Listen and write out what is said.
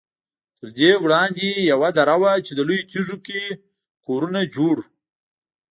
تر دې وړاندې یوه دره وه چې لویو تیږو کې کورونه جوړ وو.